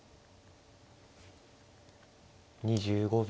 ２５秒。